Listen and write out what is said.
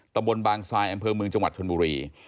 ตะบนบางซายอำเภอเมืองจังหวัดชนบุรี